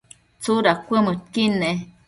¿tsudad cuëdmëdquid ne?